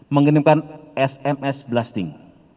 mengirimkan sms blasting